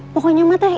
pokoknya mah teh